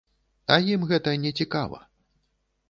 А ім гэта не цікава.